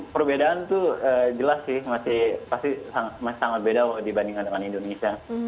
perbedaan tuh jelas sih masih pasti masih sangat beda dibandingkan dengan indonesia